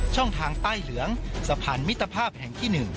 ช่องทางใต้เหลืองสะพานมิตรภาพแห่งที่๑